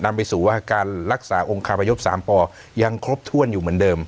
นำไปสู่ว่าการรักษาองค์คาพยพ๓ปยังครบถ้วนอยู่เหมือนเดิม